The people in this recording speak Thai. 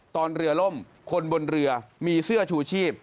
ตอนเรือล่มคนบนเรือมีเสื้อชูชีพ